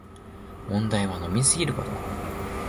問題は飲みすぎること